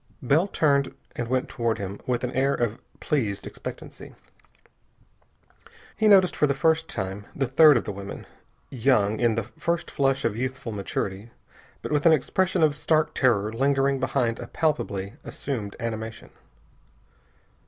Bell turned and went toward him with an air of pleased expectancy. He noticed for the first time the third of the women. Young, in the first flush of youthful maturity, but with an expression of stark terror lingering behind a palpably assumed animation.